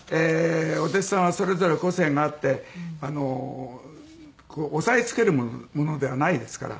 お弟子さんはそれぞれ個性があって押さえつけるものではないですから。